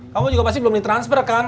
kamu juga pasti belum di transfer kan